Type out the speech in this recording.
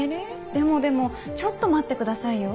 でもでもちょっと待ってくださいよ。